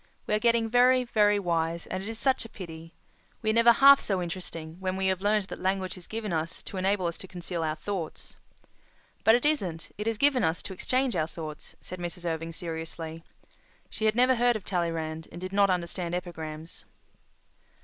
"We are getting very, very wise, and it is such a pity. We are never half so interesting when we have learned that language is given us to enable us to conceal our thoughts." "But it isn't—it is given us to exchange our thoughts," said Mrs. Irving seriously. She had never heard of Tallyrand and did not understand epigrams.